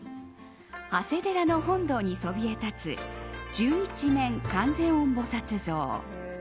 長谷寺の本堂にそびえ立つ十一面観世音菩薩像。